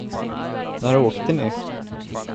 När åkte ni?